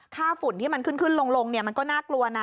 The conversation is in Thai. ค่าฝุ่นที่มันขึ้นลงมันก็น่ากลัวนะ